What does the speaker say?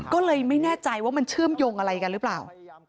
ก็เลยไม่แน่ใจว่ามันเชื่อมโยงอะไรกันหรือเปล่า